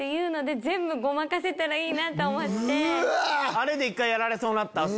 あれで１回やられそうになった。